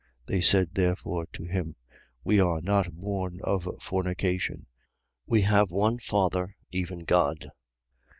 They said therefore to him: We are not born of fornication: we have one Father, even God.